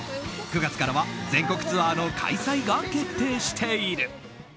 ９月からは全国ツアーの開催が決定している。